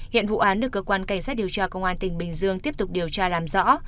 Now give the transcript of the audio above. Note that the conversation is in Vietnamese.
hiện vụ án được cơ quan cảnh sát điều tra công an tỉnh bình dương tiếp tục điều tra làm rõ